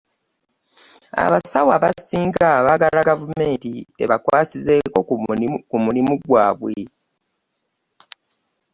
Abasawo abasinga baagala gavumenti ebakwasizoko ku mulimu gwaabwe.